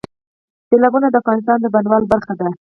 سیلابونه د افغانستان د بڼوالۍ برخه ده.